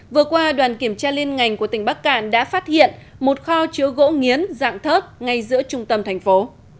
vừa qua đoàn kiểm tra liên ngành của tỉnh bắc cạn đã phát hiện một kho chứa gỗ nghiến dạng thớt ngay giữa trung tâm thành phố